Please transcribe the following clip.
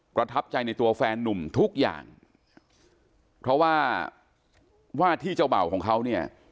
ประทับใจในตัวแฟนนุ่มทุกอย่างเพราะว่าว่าที่เจ้าเบ่าของเขาเนี่ย